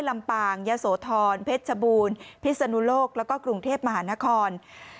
ลำปางยะโสธรเพชรชบูรณ์พิศนุโลกแล้วก็กรุงเทพมหานคร